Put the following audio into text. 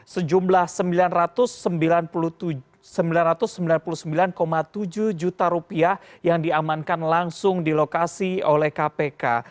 sejumlah sembilan ratus sembilan ratus sembilan puluh sembilan tujuh juta rupiah yang diamankan langsung di lokasi oleh kpk